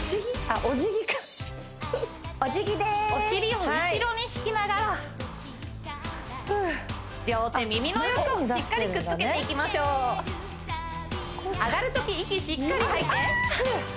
あっおじぎかおじぎでーすお尻を後ろに引きながら両手耳の横しっかりくっつけていきましょう上がるとき息しっかり吐いてあ！